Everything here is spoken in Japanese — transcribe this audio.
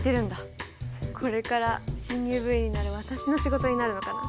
これから新入部員になる私の仕事になるのかな。